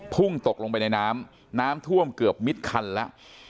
พุ่งตกลงไปในน้ำน้ำท่วมเกือบมิดคันแล้ว